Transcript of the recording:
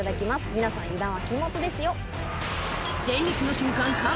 皆さん油断は禁物ですよ。